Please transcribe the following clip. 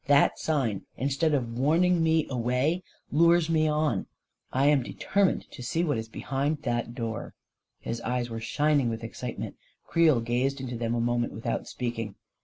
That sign, instead of warning me away, lures me on. I am determined to see what is behind that door I " His eyes were shining with excitement. Creel gazed into them a moment without speaking.